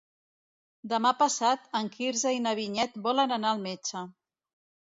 Demà passat en Quirze i na Vinyet volen anar al metge.